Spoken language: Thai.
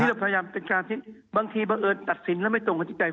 นี่เราพยายามเป็นการที่บางทีเบอร์ตัดสินแล้วไม่ตรงกันที่ใจ